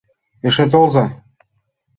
— Эше толза.